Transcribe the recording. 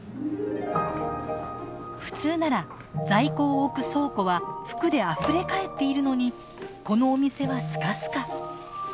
普通なら在庫を置く倉庫は服であふれかえっているのにこのお店はスカスカ。